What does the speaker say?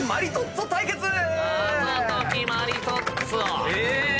謎トキマリトッツォ。